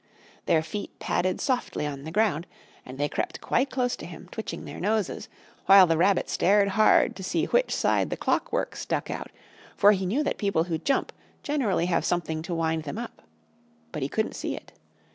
Their feet padded softly on the ground, and they crept quite close to him, twitching their noses, while the Rabbit stared hard to see which side the clockwork stuck out, for he knew that people who jump generally have something to wind them up. But he couldn't see it.